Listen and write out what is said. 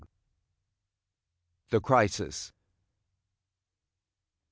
THE CRISIS.